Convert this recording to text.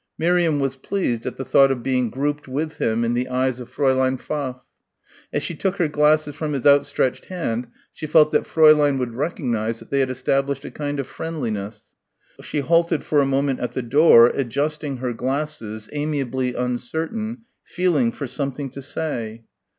Miriam was pleased at the thought of being grouped with him in the eyes of Fräulein Pfaff. As she took her glasses from his outstretched hand she felt that Fräulein would recognise that they had established a kind of friendliness. She halted for a moment at the door, adjusting her glasses, amiably uncertain, feeling for something to say.